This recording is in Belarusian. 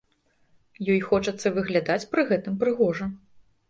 Ёй хочацца выглядаць пры гэтым прыгожа.